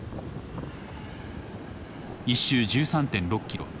１周１３．６キロ。